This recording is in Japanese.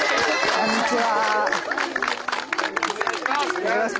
「こんにちは」